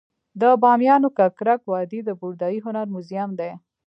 د بامیانو ککرک وادي د بودايي هنر موزیم دی